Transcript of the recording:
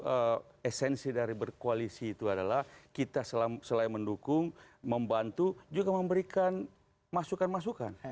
karena esensi dari berkoalisi itu adalah kita selain mendukung membantu juga memberikan masukan masukan